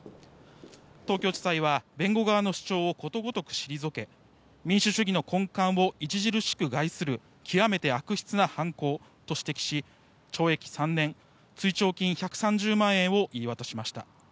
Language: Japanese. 東京地裁は弁護側の主張をことごとく退け民主主義の根幹を著しく害する極めて悪質な犯行と指摘し懲役３年、追徴金１３０万円を言い渡しました。